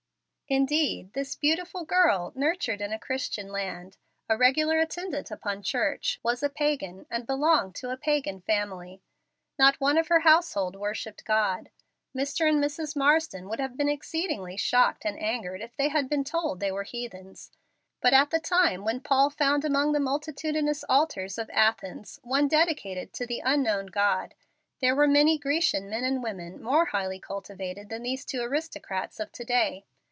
Indeed this beautiful girl, nurtured in a Christian land, a regular attendant upon church, was a pagan and belonged to a pagan family. Not one of her household worshipped God. Mr. and Mrs. Marsden would have been exceedingly shocked and angered if they had been told they were heathens. But at the time when Paul found among the multitudinous altars of Athens one dedicated to the "Unknown God," there were many Grecian men and women more highly cultivated than these two aristocrats of to day.